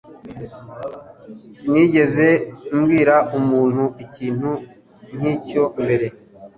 Sinigeze mbwira umuntu ikintu nkicyo mbere